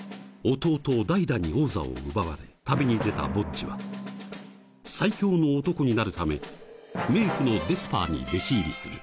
［弟ダイダに王座を奪われ旅に出たボッジは最強の男になるため冥府のデスパーに弟子入りする］